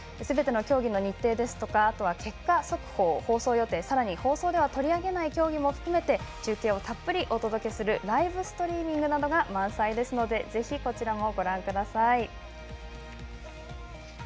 すべての競技の日程ですとかあとは、結果速報放送予定、放送では取り上げない競技も含めて中継をたっぷりお届けするライブストリーミングなどが満載ですのでぜひ、こちらもご覧ください。